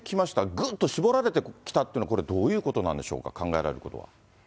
ぐっと絞られてきたっていうのは、どういうことなんでしょうか、考えられることは。